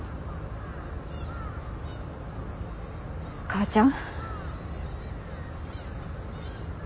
母ちゃん。